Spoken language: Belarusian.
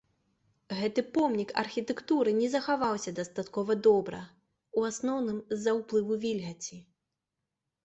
Гэты помнік архітэктуры не захаваўся дастаткова добра ў асноўным з-за ўплыву вільгаці.